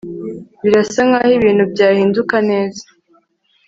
birasa nkaho ibintu byahinduka neza